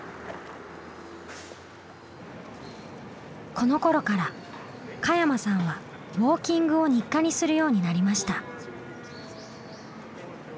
このころから加山さんはウォーキングを日課にするようになりました。